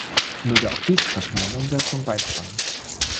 Möge auch dies zur schnellen Umsetzung beitragen.